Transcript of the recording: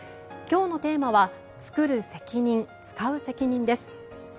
今日のテーマは「つくる責任つかう責任」です。